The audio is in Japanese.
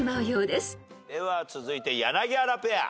では続いて柳原ペア。